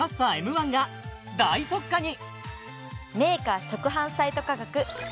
１が大特価に！